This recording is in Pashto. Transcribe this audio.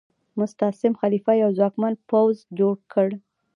مستعصم خلیفه یو ځواکمن پوځ جوړ کړ.